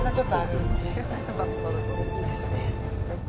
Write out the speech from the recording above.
いいですね。